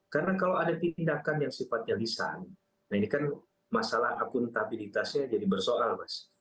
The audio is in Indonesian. karena kalau ada tindakan yang sifatnya lisan nah ini kan masalah akuntabilitasnya jadi bersoal mas